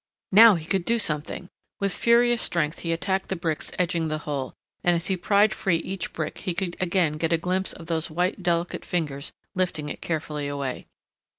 Now he could do something! With furious strength he attacked the bricks edging the hole and as he pried free each brick he could again get a glimpse of those white delicate fingers lifting it carefully away.